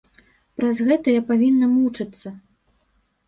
Праз гэта я павінна мучыцца.